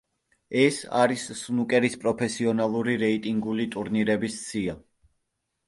ეს არის სნუკერის პროფესიონალური რეიტინგული ტურნირების სია.